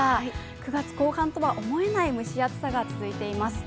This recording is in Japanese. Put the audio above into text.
９月後半とは思えない蒸し暑さが続いています。